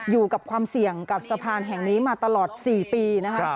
อยู่กับความเสี่ยงกับสะพานแห่งนี้มาตลอด๔ปีนะคะ